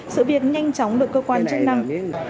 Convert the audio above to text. sự biệt nhanh chóng được cơ quan chức năng